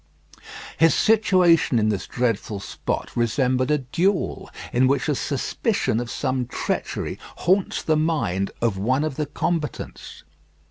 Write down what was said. His situation in this dreadful spot resembled a duel, in which a suspicion of some treachery haunts the mind of one of the combatants.